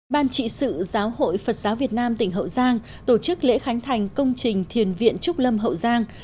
ban trị sự giáo hội phật giáo việt nam tỉnh hậu giang tổ chức lễ khánh thành công trình thiền viện trúc lâm hậu giang